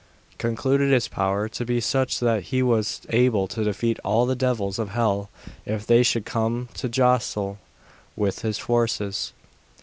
concluded his power to be such that he was able to defeat all the devils of hell if they should come to jostle with his forces.